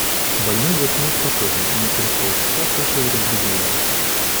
Больной заснул спокойно, но чрез полчаса кашель разбудил его.